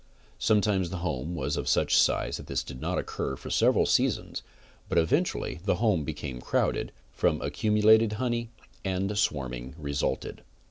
Sometimes the home was of such size that this did not occur for several seasons, but eventually the home became crowded, from accumulated honey, and swarming resulted.